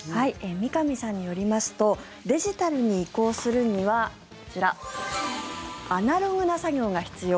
三上さんによりますとデジタルに移行するにはこちらアナログな作業が必要。